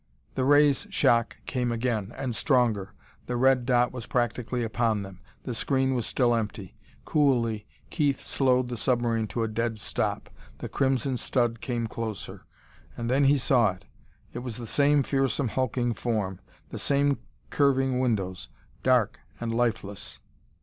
The ray's shock came again and stronger. The red dot was practically upon them. The screen was still empty. Coolly, Keith slowed the submarine to a dead stop. The crimson stud came closer.... And then he saw it. It was the same fearsome, hulking form. The same curving windows, dark and lifeless.